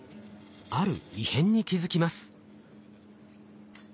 ある異変に気付きます。